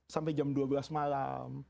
sampai jam dua belas malam